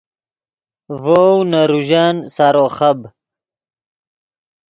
ڤؤ نے روژن سارو خب